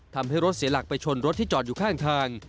ทำให้รถเสียหลักไปชนรถที่จอดอยู่ข้างทาง